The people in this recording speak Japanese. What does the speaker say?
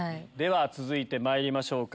続いてまいりましょうか。